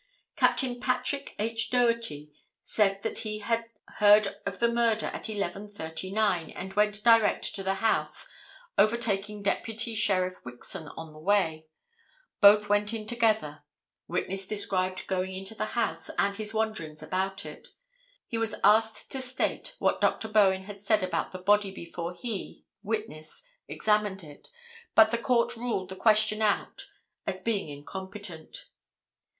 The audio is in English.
Captain Patrick H. Doherty said that he heard of the murder at 11:39, and went direct to the house, overtaking Deputy Sheriff Wixon on the way; both went in together; witness described going into the house and his wanderings about it; he was asked to state what Dr. Bowen had said about the body before he (witness) examined it, but the court ruled the question out as being incompetent.